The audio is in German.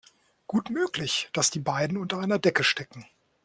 Gut möglich, dass die beiden unter einer Decke stecken.